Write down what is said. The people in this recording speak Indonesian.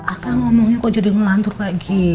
akang ngomongnya kok jadi ngelantur kayak gitu